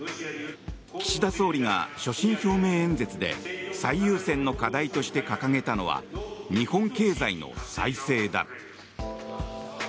岸田総理が所信表明演説で最優先の課題として掲げたのは日本経済の再生だ。